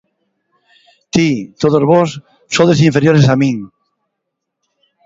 Ti, todos vos, sodes inferiores a min!